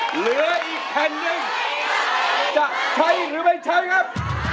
เหลืออีกแผ่นหนึ่งจะใช้หรือไม่ใช้ครับ